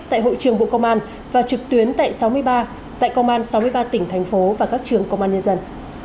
tại hội trường bộ công an và trực tuyến tại công an sáu mươi ba tỉnh thành phố và các trường công an nhân dân